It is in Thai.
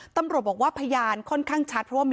ตำรวจบอกว่าพยานค่อนข้างชัด